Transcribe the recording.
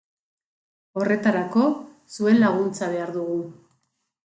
Horretarako, zuen laguntza behar dugu.